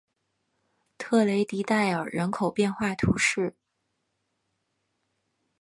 特雷迪代尔人口变化图示